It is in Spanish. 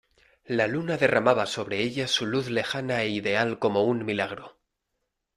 la luna derramaba sobre ellas su luz lejana e ideal como un milagro.